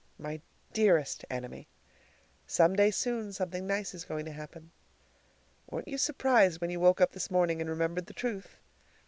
My dearest Enemy: "Some day soon something nice is going to happen." Weren't you surprised when you woke up this morning and remembered the truth?